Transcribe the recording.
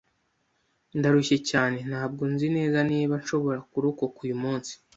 Ndarushye cyane. Ntabwo nzi neza niba nzashobora kurokoka uyu munsi.